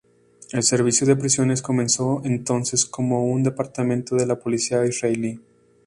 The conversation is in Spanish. El Servicio de Prisiones comenzó entonces como un departamento de la Policía israelí.